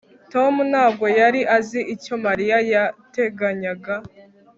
Tom ntabwo yari azi icyo Mariya yateganyaga